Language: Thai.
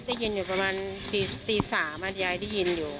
ได้ยินอยู่ประมาณตี๓ยายได้ยินอยู่